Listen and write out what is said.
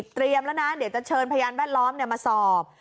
แล้วนะเดี๋ยวจะเชิญพยานแวดล้อมมาสอบ